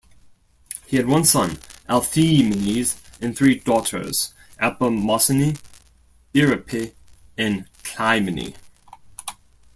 He had one son, Althaemenes, and three daughters, Apemosyne, Aerope and Clymene.